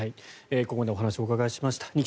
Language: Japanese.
ここまでお話をお伺いしました。